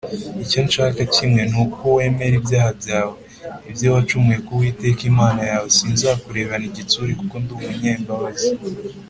“icyo nshaka kimwe ni uko wemera ibyaha byawe, ibyo wacumuye ku uwiteka imana yawe;” “sinzakurebana igitsure kuko ndi umunyambabazi